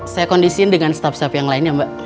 saya kondisiin dengan setapi setapi yang lain ya mbak